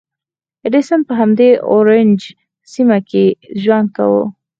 ایډېسن په همدې اورنج سیمه کې ژوند کاوه.